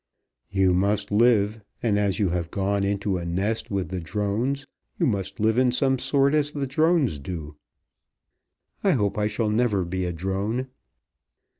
"You must live; and as you have gone into a nest with the drones, you must live in some sort as the drones do." "I hope I shall never be a drone."